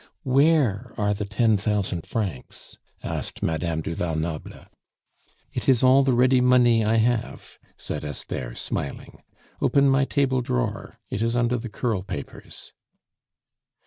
"Where are the ten thousand francs?" asked Madame du Val Noble. "It is all the ready money I have," said Esther, smiling. "Open my table drawer; it is under the curl papers."